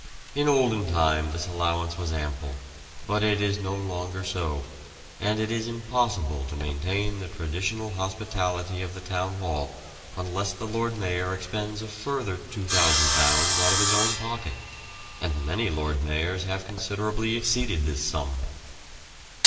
In olden time this allowance was ample, but it is no longer so, and it is impossible to maintain the old traditional hospitality of the Town Hall unless the Lord Mayor expends a further £2,000 out of his own pocket, and many Lord Mayors have considerably exceeded this sum.